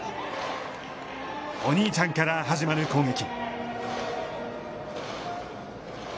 お兄ちゃんから始まる攻撃。